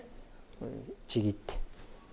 ちぎって。